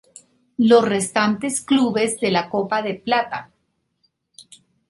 Los restantes clubes de la Copa de Plata.